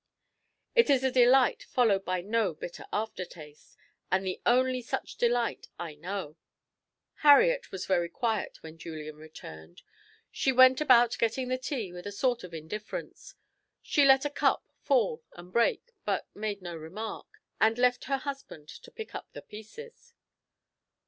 It is a delight followed by no bitter after taste, and the only such delight I know." Harriet was very quiet when Julian returned. She went about getting the tea with a sort of indifference; she let a cup fall and break, but made no remark, and left her husband to pick up the pieces.